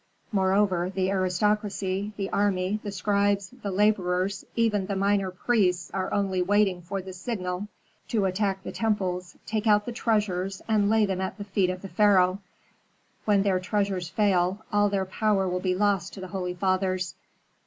Moreover, the aristocracy, the army, the scribes, the laborers, even the minor priests are only waiting for the signal to attack the temples, take out the treasures, and lay them at the feet of the pharaoh. When their treasures fail, all their power will be lost to the holy fathers.